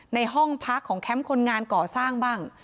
ในห้องพักของแคมป์คนงานก่อสร้างบ้าง